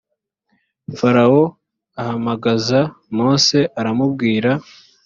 farawo ahamagaza mose aramubwira .